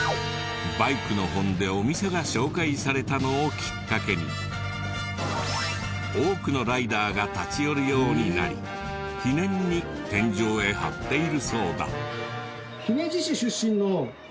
バイクの本でお店が紹介されたのをきっかけに多くのライダーが立ち寄るようになり記念に天井へ貼っているそうだ。